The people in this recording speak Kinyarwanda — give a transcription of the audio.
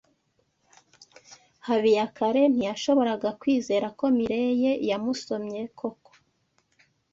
Habiyakare ntiyashoboraga kwizera ko Mirelle yamusomye koko.